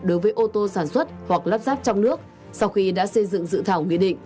đối với ô tô sản xuất hoặc lắp ráp trong nước sau khi đã xây dựng dự thảo nghị định